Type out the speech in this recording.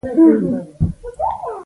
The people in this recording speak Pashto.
زده کوونکي به په غلطیو وهل کېدل.